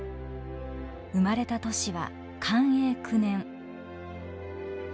生まれた年は寛永９年。